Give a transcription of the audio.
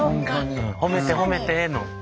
「褒めて褒めて」の。